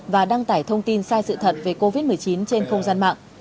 và đăng tải thông tin sai sự thật về covid một mươi chín trên không gian mạng